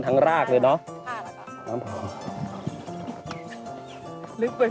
ต่อไปครับยังไงดี